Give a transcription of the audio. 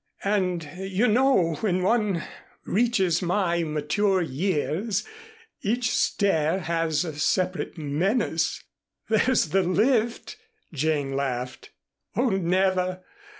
And you know when one reaches my mature years, each stair has a separate menace." "There's the lift," Jane laughed. "Oh, never!